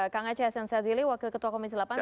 kita akan ke ketua komisi lapan